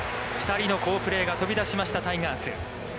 ２人の好プレーが飛びだしましたタイガース。